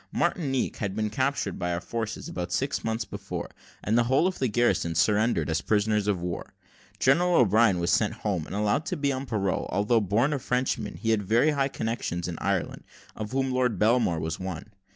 Martinique had been captured by our forces about six months before, and the whole of the garrison surrendered as prisoners of war. General O'Brien was sent home, and allowed to be on parole; although born a Frenchman, he had very high connections in Ireland, of whom Lord Belmore was one.